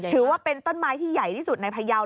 ถือว่าเป็นต้นไม้ที่ใหญ่ที่สุดในพยาว